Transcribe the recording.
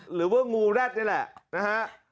หรือว่างูแร็ดนี่แหละนะฮะ